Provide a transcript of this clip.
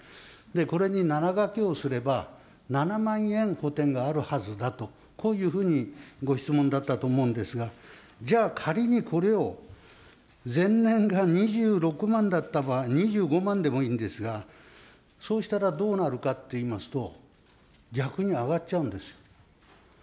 これに７がけをすれば、７万円補填があるはずだと、こういうふうにご質問だったと思うんですが、じゃあ、仮にこれを、前年が２６万だった場合、２５万でもいいんですが、そうしたらどうなるかっていいますと、逆に上がっちゃうんですよ。